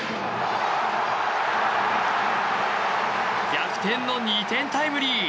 逆転の２点タイムリー！